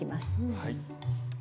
はい。